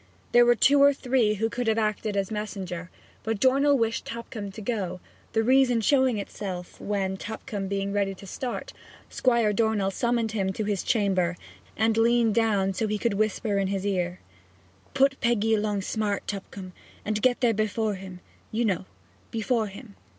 There were two or three who could have acted as messenger, but Dornell wished Tupcombe to go, the reason showing itself when, Tupcombe being ready to start, Squire Dornell summoned him to his chamber and leaned down so that he could whisper in his ear: 'Put Peggy along smart, Tupcombe, and get there before him, you know before him.